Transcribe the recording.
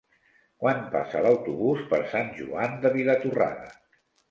Quan passa l'autobús per Sant Joan de Vilatorrada?